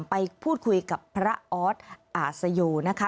ไปพูดคุยกับพระออสอาสโยนะคะ